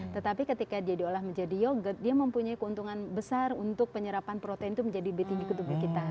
tetapi ketika dia diolah menjadi yogurt dia mempunyai keuntungan besar untuk penyerapan protein itu menjadi lebih tinggi ke tubuh kita